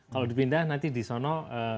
kalau dipindah nanti di sana